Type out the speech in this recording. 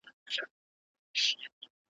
د ساقي د پلار همزولی له منصور سره پر لار یم .